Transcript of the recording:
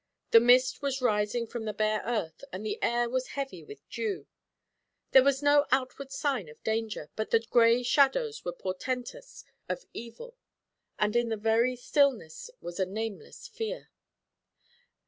The mist was rising from the bare earth and the air was heavy with dew. There was no outward sign of danger; but the grey shadows were portentous of evil, and in the very stillness was a nameless fear.